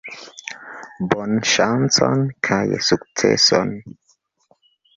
Bonŝancon kaj sukceson!